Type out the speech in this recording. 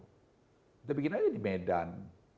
kita bikin aja di medan